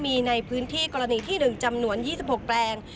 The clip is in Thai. มีในพื้นที่กรณีที่๑จำนวน๒๖แปลง